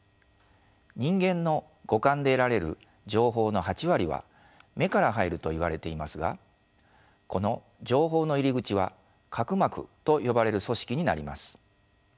人間の五感で得られる情報の８割は目から入るといわれていますがこの情報の入り口は角膜と呼ばれる組織になります。